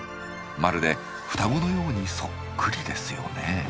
まるで双子のようにそっくりですよね。